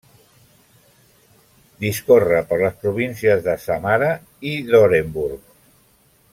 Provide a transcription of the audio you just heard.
Discorre per les províncies de Samara i d'Orenburg.